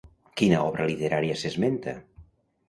Quina obra literària s'esmenta?